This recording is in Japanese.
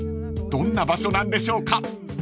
［どんな場所なんでしょうか？］